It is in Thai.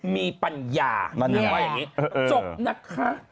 มีปัญญาว่าอย่างนี้จบนะคะ